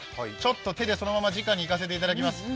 手で、そのままじかにいかせていただきます。